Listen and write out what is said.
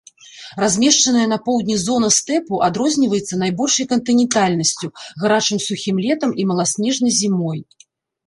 Размешчаная на поўдні зона стэпу адрозніваецца найбольшай кантынентальнасцю, гарачым сухім летам і маласнежнай зімой.